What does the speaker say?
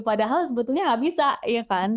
padahal sebetulnya nggak bisa ya kan